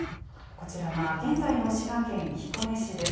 こちらは現在の滋賀県彦根市です。